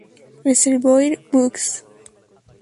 Reservoir Books.